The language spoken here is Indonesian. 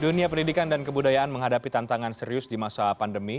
dunia pendidikan dan kebudayaan menghadapi tantangan serius di masa pandemi